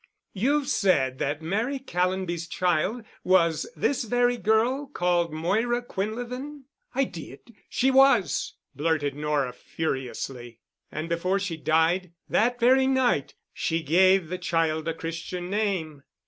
You've said that Mary Callonby's child was this very girl called Moira Quinlevin——?" "I did—she was," blurted Nora, furiously. "And before she died—that very night—she gave the child a Christian name?"